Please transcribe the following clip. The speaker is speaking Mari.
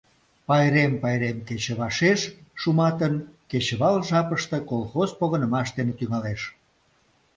Пайрем пайрем кече вашеш, шуматын, кечывал жапыште колхоз погынымаш дене тӱҥалеш.